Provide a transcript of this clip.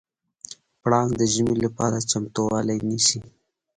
پړانګ د ژمي لپاره چمتووالی نیسي.